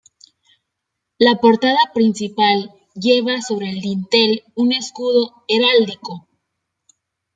La portada principal lleva sobre el dintel un Escudo Heráldico.